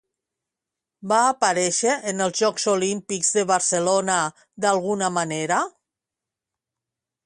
Va aparèixer en els Jocs Olímpics de Barcelona d'alguna manera?